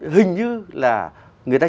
hình như là người ta